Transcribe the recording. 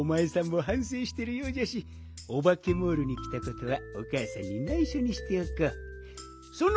もはんせいしてるようじゃしオバケモールにきたことはおかあさんにないしょにしておこう。